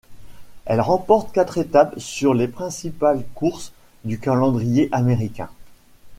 Elle remporte quatre étapes sur les principales courses du calendrier américain.